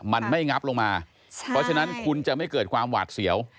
เพราะฉะนั้นคุณจะไม่เกิดความหวาดเสียว